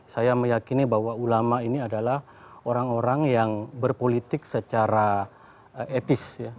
saya meyakini bahwa ulama ini adalah orang orang yang berpolitik secara etis